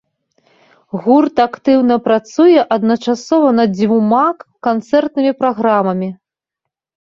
Гурт актыўна працуе адначасова над дзвюма канцэртнымі праграмамі.